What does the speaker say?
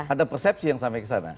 ada persepsi yang sampai kesana